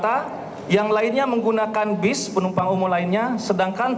tersangka dari medan kuala namu masuk tanpa melalui jarur pemeriksaan barang